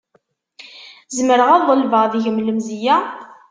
Zemreɣ ad ḍelbeɣ deg-m lemzeyya?